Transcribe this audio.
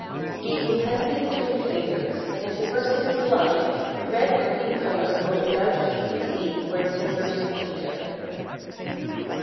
Gaze intently between the fingers, and if the person is alive, a red or pink color will undoubtedly be seen where the fingers touch each other.